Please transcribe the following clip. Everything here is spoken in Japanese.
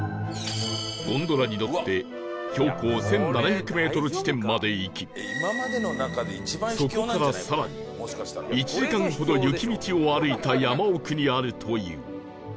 ゴンドラに乗って標高１７００メートル地点まで行きそこから更に１時間ほど雪道を歩いた山奥にあるという